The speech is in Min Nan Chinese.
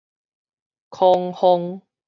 孔方